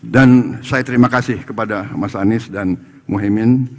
dan saya terima kasih kepada mas anies dan muhyemin